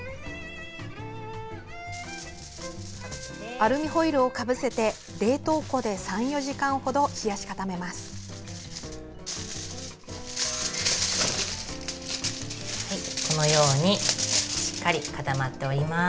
アルミホイルをかぶせて冷凍庫で３４時間ほど冷やし固めます。